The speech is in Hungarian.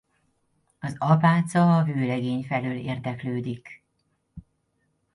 Az apáca a vőlegény felől érdeklődik.